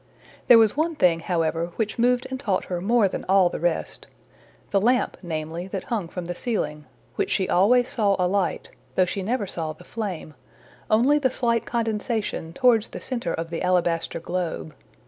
There was one thing, however, which moved and taught her more than all the rest the lamp, namely, that hung from the ceiling, which she always saw alight, though she never saw the flame, only the slight condensation towards the center of the alabaster globe.